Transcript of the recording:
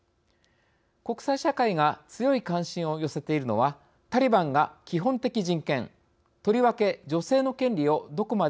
国際社会が強い関心を寄せているのはタリバンが基本的人権とりわけ女性の権利をどこまで認めるかです。